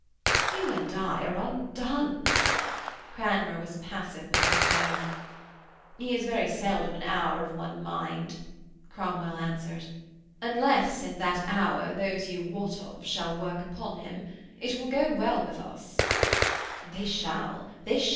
'You and I are undone.' Cranmer was passive with despair. 'He is very seldom an hour of one mind,' Cromwell answered. 'Unless in that hour those you wot of shall work upon him, it will go well with us.' 'They shall.